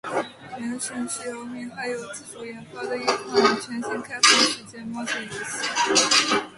《原神》是由米哈游自主研发的一款全新开放世界冒险游戏。